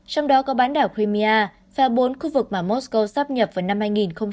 trong đó có bán đảo crimea phèo bốn khu vực mà moscow sắp nhập vào năm hai nghìn hai mươi hai